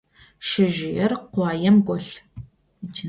Şsezjıêr khuaêm golh.